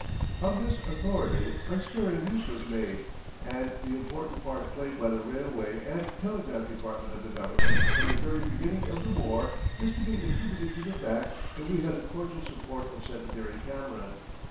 Of this authority unsparing use was made, and the important part played by the railway and telegraph department of the Government from the very beginning of the war is to be attributed to the fact that we had the cordial support of Secretary Cameron.